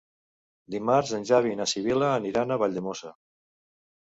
Dimarts en Xavi i na Sibil·la aniran a Valldemossa.